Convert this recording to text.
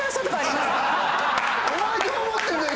お前どう思ってんだよ？